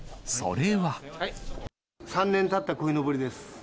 ３年たったこいのぼりです。